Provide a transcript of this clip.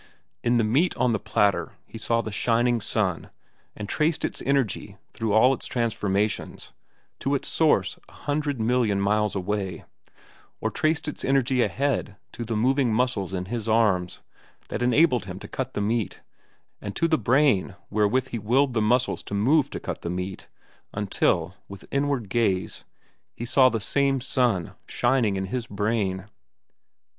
In the meat on the platter he saw the shining sun and traced its energy back through all its transformations to its source a hundred million miles away, or traced its energy ahead to the moving muscles in his arms that enabled him to cut the meat, and to the brain wherewith he willed the muscles to move to cut the meat, until, with inward gaze, he saw the same sun shining in his brain.